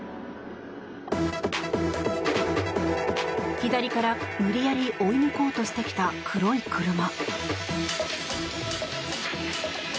左から無理やり追い抜こうとしてきた黒い車。